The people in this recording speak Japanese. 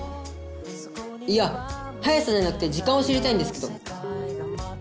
いや速さじゃなくて時間を知りたいんですけど。